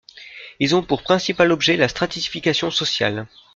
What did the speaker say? Ils ont pour principal objet la stratification sociale.